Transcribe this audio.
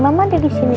mama ada di sini